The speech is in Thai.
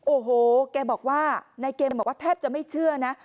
โอ้โหแกบอกว่านายเกมบอกว่าแทบจะไม่เชื่อนะ